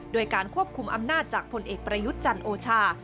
โดยการควบคุมอำนาจจากผลเอกประยุทธ์จันทร์โอชา